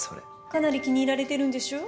かなり気に入られてるんでしょう？